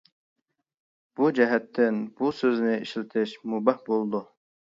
بۇ جەھەتتىن بۇ سۆزنى ئىشلىتىش مۇباھ بولىدۇ.